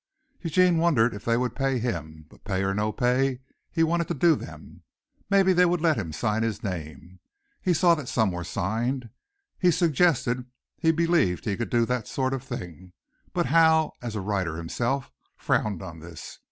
Eugene wondered if they would pay him, but pay or no pay he wanted to do them. Maybe they would let him sign his name. He saw that some were signed. He suggested he believed he could do that sort of thing but Howe, as a writer himself, frowned on this.